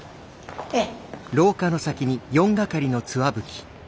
ええ。